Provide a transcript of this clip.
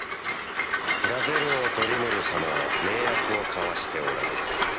ガゼル王とリムル様は盟約を交わしておられます。